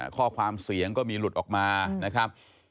ข้อความเสียงก็มีหลุดออกมานะครับ